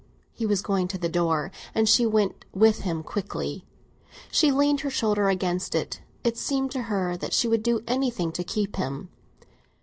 He was going to the door, and she went with him quickly. She leaned her shoulder against it; it seemed to her that she would do anything to keep him.